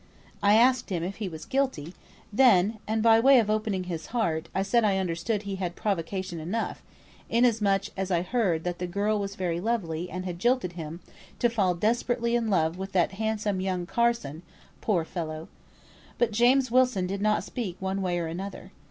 I asked him if he was guilty, then; and by way of opening his heart I said I understood he had had provocation enough, inasmuch as I heard that the girl was very lovely, and had jilted him to fall desperately in love with that handsome young Carson (poor fellow!). But James Wilson did not speak one way or another.